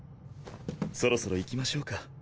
そろそろ行きましょうか。